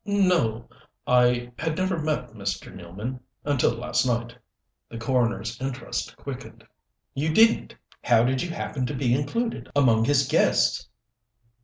"No. I had never met Mr. Nealman until last night." The coroner's interest quickened. "You didn't? How did you happen to be included among his guests?"